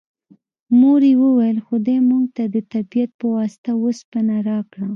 مور یې وویل خدای موږ ته د طبیعت په واسطه اوسپنه راکړه